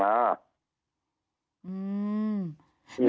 อืม